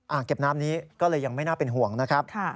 เก็บน้ำนี้ก็เลยยังไม่น่าเป็นห่วงนะครับ